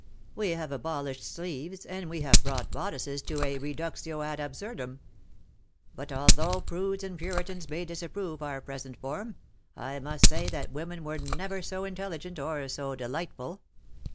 We have abolished sleeves, and we have brought bodices to a reductio ad absurdum ; but, although prudes and puritans may disapprove our present form, I. must say that women were never so intelligent or so delightful.